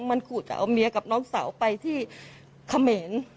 มันขู่จะเอาเมียกับน้องสาวไปที่เขมร